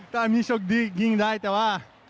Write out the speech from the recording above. ถ้ามีโชคดีกินได้แต่ว่า